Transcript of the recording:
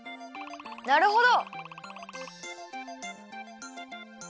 なるほど！